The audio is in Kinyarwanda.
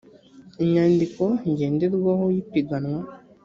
inyandiko ngenderwaho y ipiganwa